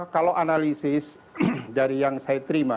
kalau analisis dari yang saya terima